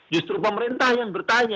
justru pemerintah yang bertanya